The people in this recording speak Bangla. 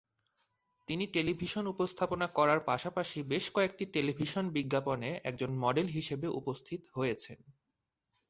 তিনি টেলিভিশন উপস্থাপনা করার পাশাপাশি বেশ কয়েকটি টেলিভিশন বিজ্ঞাপনে একজন মডেল হিসেবে উপস্থিত হয়েছেন।